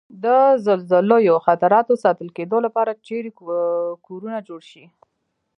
د زلزلوي خطراتو ساتل کېدو لپاره چېرې کورنه جوړ شي؟